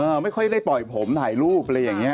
ไม่ค่อยได้ปล่อยผมถ่ายรูปอะไรอย่างเงี้